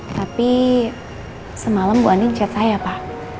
tapi semalam bu ani chat saya pak